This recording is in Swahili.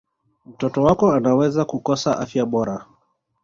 mtoto wako anaweza kukosa afya bora